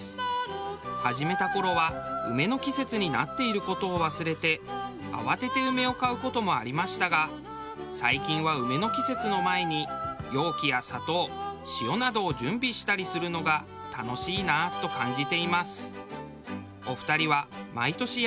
始めた頃は梅の季節になっている事を忘れて慌てて梅を買う事もありましたが最近は梅の季節の前に容器や砂糖塩などを準備したりするのが楽しいなと感じています。